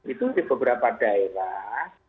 itu di beberapa daerah